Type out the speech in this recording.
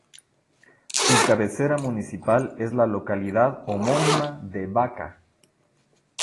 Su cabecera municipal es la localidad homónima de Baca.